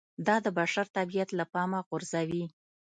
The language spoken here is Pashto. دا د بشر طبیعت له پامه غورځوي